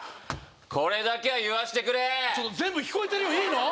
これだけは言わしてくれ全部聞こえてるよいいの？